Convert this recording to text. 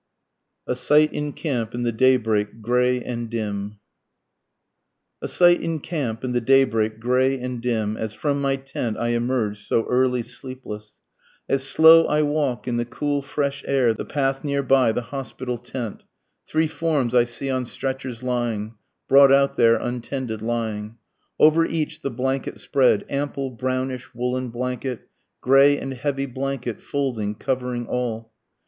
A SIGHT IN CAMP IN THE DAYBREAK GRAY AND DIM. A sight in camp in the daybreak gray and dim, As from my tent I emerge so early sleepless, As slow I walk in the cool fresh air the path near by the hospital tent, Three forms I see on stretchers lying, brought out there untended lying, Over each the blanket spread, ample brownish woollen blanket, Gray and heavy blanket, folding, covering all.